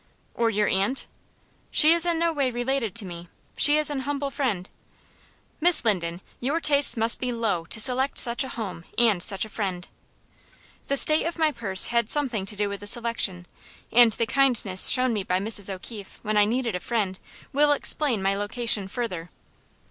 "Or your aunt?" "She is in no way related to me. She is an humble friend. "Miss Linden, your tastes must be low to select such a home and such a friend." "The state of my purse had something to do with the selection, and the kindness shown me by Mrs. O'Keefe, when I needed a friend, will explain my location further."